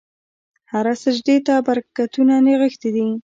هره سجدې ته برکتونه نغښتي دي.